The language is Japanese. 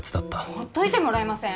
ほっといてもらえません？